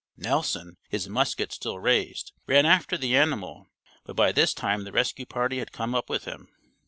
Nelson, his musket still raised, ran after the animal, but by this time the rescue party had come up with him.